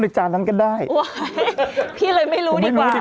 เรียนสิ